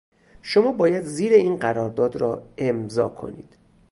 شما باید زیر این قرارداد را امضا کنید.